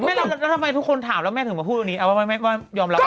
แล้วทำไมทุกคนถามแล้วแม่ถึงมาพูดวันนี้ว่ายอมรับ